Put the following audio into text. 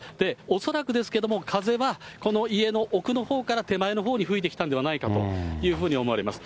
恐らくですけども、風はこの家の奥のほうから手前のほうに吹いてきたんではないかというふうに思われます。